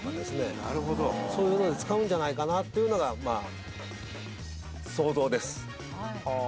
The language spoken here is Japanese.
なるほどそういうので使うんじゃないかなというのがまあ想像です